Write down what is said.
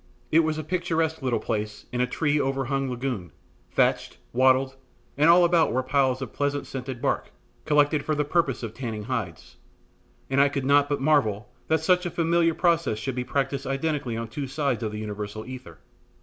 It was a picturesque little place on a tree overhung lagoon, thatched, wattled, and all about were piles of a pleasant scented bark, collected for the purpose of tanning hides, and I could not but marvel that such a familiar process should be practised identically on two sides of the universal ether.